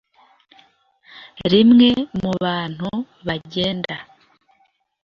rimwe mubantu bagenda